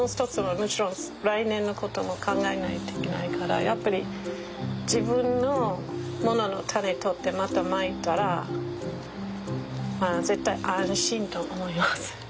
もちろん来年のことも考えないといけないからやっぱり自分のもののタネ取ってまたまいたら絶対安心と思いますね。